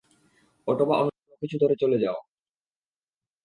Auto বা অন্যকিছু ধরে চলে যাও।